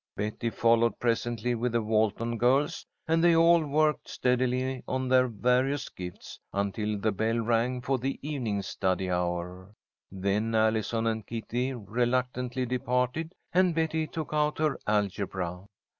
Betty followed presently with the Walton girls, and they all worked steadily on their various gifts until the bell rang for the evening study hour. Then Allison and Kitty reluctantly departed, and Betty took out her algebra.